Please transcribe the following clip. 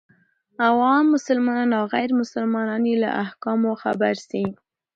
او عام مسلمانان او غير مسلمانان يې له احکامو خبر سي،